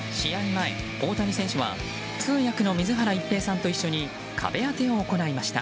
前、大谷選手は通訳の水原一平さんと一緒に壁当てを行いました。